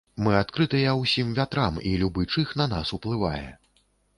Мы адкрытыя ўсім вятрам і любы чых на нас уплывае.